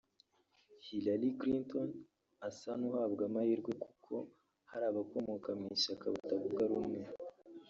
Hillary Clinton asa n’uhabwa amahirwe kuko hari abakomoka mu ishyaka batavuga rumwe